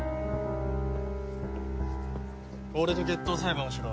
俺と決闘裁判をしろ。